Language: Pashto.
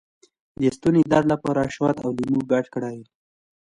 د ستوني درد لپاره شات او لیمو ګډ کړئ